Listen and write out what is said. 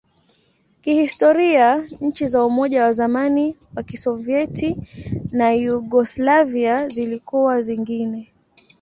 Kihistoria, nchi za Umoja wa zamani wa Kisovyeti na Yugoslavia zilikuwa zingine.